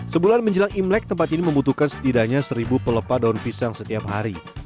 sebulan menjelang imlek tempat ini membutuhkan setidaknya seribu pelepah daun pisang setiap hari